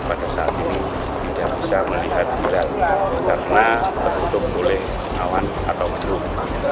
pada saat ini tidak bisa melihat hilal karena tertutup oleh awan atau gedung